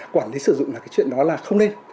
quản lý sử dụng là cái chuyện đó là không nên